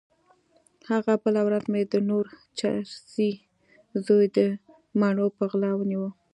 هغه بله ورځ مې هم د نور چرسي زوی د مڼو په غلا ونيو.